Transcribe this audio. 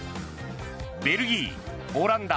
ベルギー、オランダ